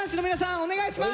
お願いします！